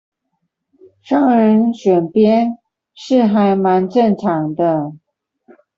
商人選邊是還蠻正常的